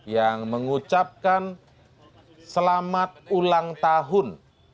yang mengucapkan selamat ulang tahun